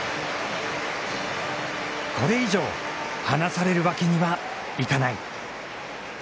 これ以上、離されるわけにはいかない。